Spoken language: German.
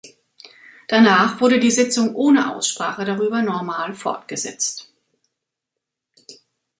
Danach wurde die Sitzung ohne Aussprache darüber normal fortgesetzt.